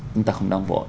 chúng ta không nóng vội